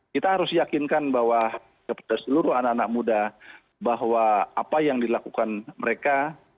kita harus yakinkan bahwa kepada seluruh anak anak muda bahwa apa yang dilakukan mereka